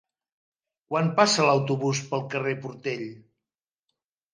Quan passa l'autobús pel carrer Portell?